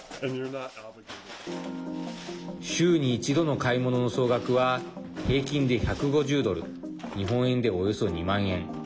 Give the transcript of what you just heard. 週に一度の買い物の総額は平均で１５０ドル日本円で、およそ２万円。